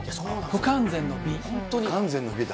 不完全の美だ。